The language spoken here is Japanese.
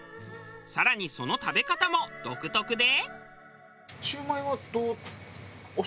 更にその食べ方も独特で。